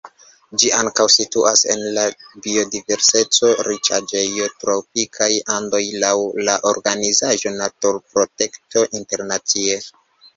Ĝi ankaŭ situas en la biodiverseco-riĉaĵejo Tropikaj Andoj laŭ la organizaĵo Naturprotekto Internacie.